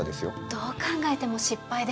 どう考えても失敗です。